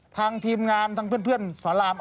ทางทีมงานทางเพื่อนสอนราม